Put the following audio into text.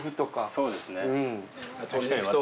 そうですね。